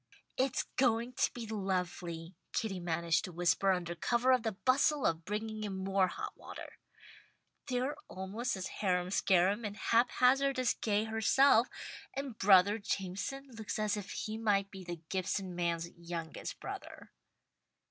"It's going to be lovely," Kitty managed to whisper under cover of the bustle of bringing in more hot water. "They're almost as harum scarum and hap hazard as Gay herself, and 'brother Jameson' looks as if he might be the 'Gibson man's' youngest brother."